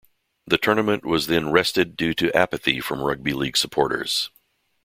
The tournament was then rested due to apathy from rugby league supporters.